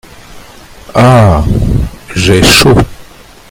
Ah ! j’ai chaud !